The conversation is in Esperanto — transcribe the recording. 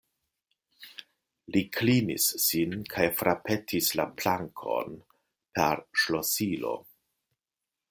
Li klinis sin kaj frapetis la plankon per ŝlosilo.